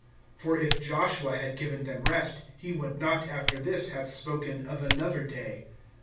(8)For if Joshua had given them rest, he would not, after this, have spoken of another day.